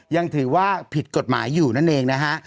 ยังถือว่าผิดกฎหมายอยู่นั่นเองนะฮะ